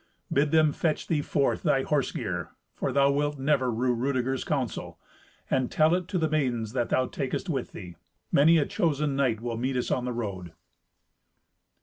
Bid them fetch thee forth thy horse gear, for thou wilt never rue Rudeger's counsel, and tell it to the maidens that thou takest with thee. Many a chosen knight will meet us on the road."